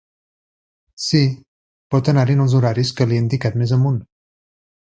Sí, pot anar-hi en els horaris que li he indicat més amunt.